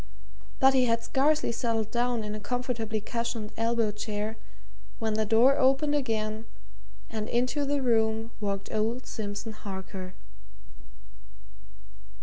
But he had scarcely settled down in a comfortably cushioned elbow chair when the door opened again and into the room walked old Simpson Harker.